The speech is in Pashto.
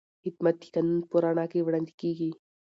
خدمت د قانون په رڼا کې وړاندې کېږي.